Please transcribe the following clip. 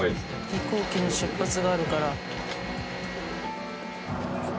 飛行機の出発があるから。